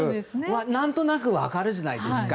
何となく分かるじゃないですか